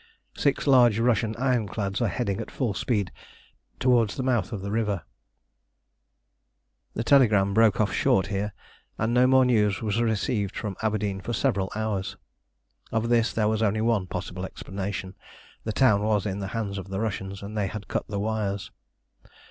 Six large Russian ironclads are heading at full speed towards the mouth of the river The telegram broke off short here, and no more news was received from Aberdeen for several hours. Of this there was only one possible explanation. The town was in the hands of the Russians, and they had cut the wires.